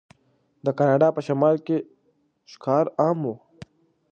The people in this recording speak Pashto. د کاناډا په شمال کې ښکار عام و.